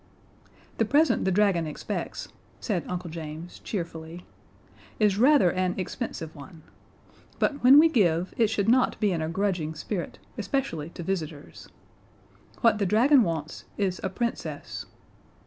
"The present the dragon expects," said Uncle James, cheerfully, "is rather an expensive one. But, when we give, it should not be in a grudging spirit, especially to visitors. What the dragon wants is a Princess.